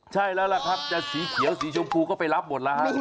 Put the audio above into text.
ใช่แล้วล่ะครับจะสีเขียวสีชมพูก็ไปรับหมดแล้วฮะ